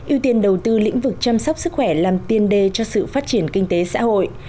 ưu tiên đầu tư lĩnh vực chăm sóc sức khỏe làm tiên đề cho sự phát triển kinh tế xã hội